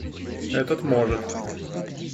Этот может.